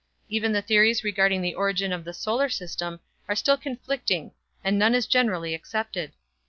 Even the theories regarding the origin of the solar system are still conflicting and none is generally accepted.